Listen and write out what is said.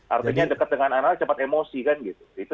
artinya yang dekat dengan anak cepat emosi kan gitu